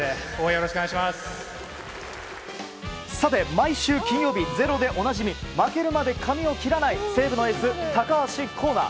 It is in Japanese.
毎週金曜日「ｚｅｒｏ」でおなじみ負けるまで髪を切らない西武のエース、高橋光成。